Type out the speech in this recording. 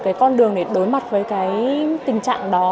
cái con đường để đối mặt với cái tình trạng đó